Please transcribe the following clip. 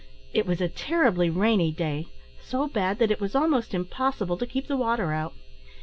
It was a terribly rainy day so bad, that it was almost impossible to keep the water out.